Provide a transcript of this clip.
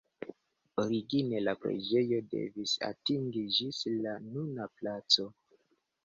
Origine la preĝejo devis atingi ĝis la nuna placo.